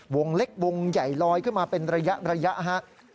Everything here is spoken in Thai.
วงเล็กวงใหญ่ลอยขึ้นมาเป็นระยะฮะ